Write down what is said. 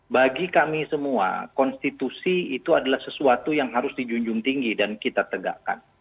bagi kami semua konstitusi itu adalah sesuatu yang harus dijunjung tinggi dan kita tegakkan